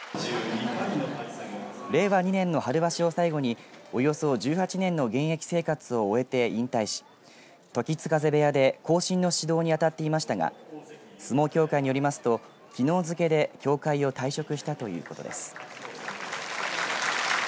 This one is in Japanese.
令和２年の春場所を最後におよそ１８年の現役生活を終えて引退し時津風部屋で後進の指導にあたっていましたが相撲協会によりますときのう付けで協会を退職したということです。